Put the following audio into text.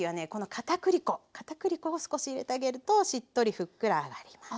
かたくり粉を少し入れてあげるとしっとりふっくらあがります。